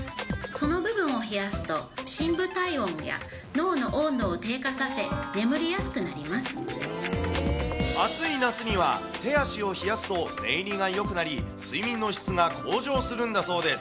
その部分を冷やすと深部体温や脳の温度を低下させ、眠りやすくな暑い夏には、手足を冷やすと寝入りがよくなり、睡眠の質が向上するんだそうです。